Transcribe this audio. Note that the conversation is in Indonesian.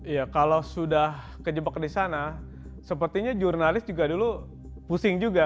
ya kalau sudah kejebak di sana sepertinya jurnalis juga dulu pusing juga